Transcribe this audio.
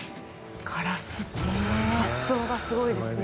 枯らすって発想がすごいですね。